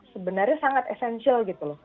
sebenarnya sangat essential gitu loh